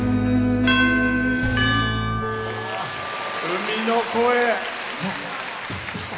「海の声」。